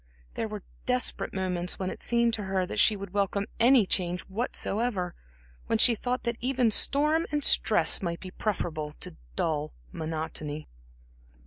There were desperate moments when it seemed to her that she would welcome any change whatsoever, when she thought that even storm and stress might be preferable to dull monotony.